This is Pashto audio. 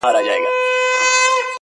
o ستا له تنګ نظره جُرم دی ذاهده,